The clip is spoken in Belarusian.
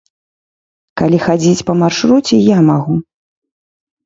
Калі хадзіць па маршруце, я магу.